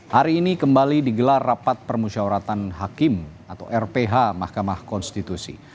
hari ini kembali digelar rapat permusyawaratan hakim atau rph mahkamah konstitusi